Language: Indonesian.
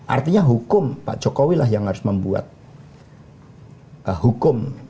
artinya hukum pak jokowi lah yang harus membuat hukum